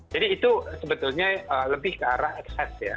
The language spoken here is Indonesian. jadi itu sebetulnya lebih ke arah ekses ya